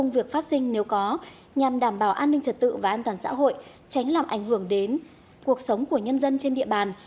và an toàn xã hội tránh làm ảnh hưởng đến cuộc sống của nhân dân trên địa bàn